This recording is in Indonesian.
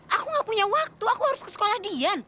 aku gak punya waktu aku harus ke sekolah dian